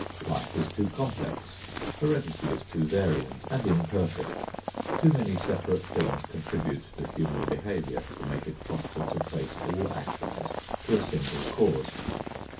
Life is too complex, heredity is too variant and imperfect, too many separate things contribute to human behavior, to make it possible to trace all actions to a single cause.